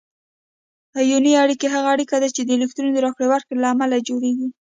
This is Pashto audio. آیوني اړیکه هغه اړیکه ده چې د الکترونونو راکړې ورکړې له امله جوړیږي.